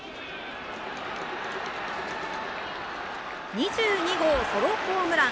２２号ソロホームラン！